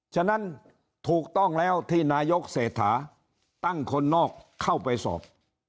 ฉะนั้นถูกต้องแล้วที่นายกเศรษฐาตั้งคนนอกเข้าไปสอบ